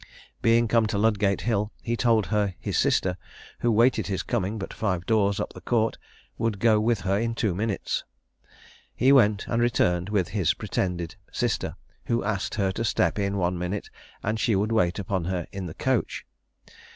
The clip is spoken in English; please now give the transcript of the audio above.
Being come to Ludgate hill, he told her his sister, who waited his coming but five doors up the court, would go with her in two minutes. He went, and returned with his pretended sister, who asked her to step in one minute, and she would wait upon her in the coach.